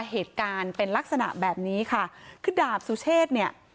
เหตุการณ์เป็นลักษณะแบบนี้ค่ะคือดาบสุเชษเนี่ย